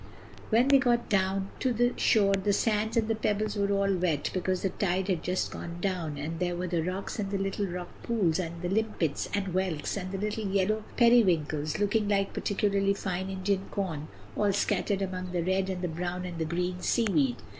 When they got down to the shore the sands and the pebbles were all wet because the tide had just gone down, and there were the rocks and the little rock pools, and the limpets, and whelks, and the little yellow periwinkles looking like particularly fine Indian corn all scattered among the red and the brown and the green seaweed.